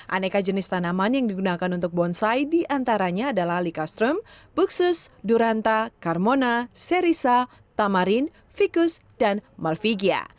aneka jenis tanaman yang digunakan untuk bonsai diantaranya adalah lika strum buksus duranta carmona serisa tamarin ficus dan malfigia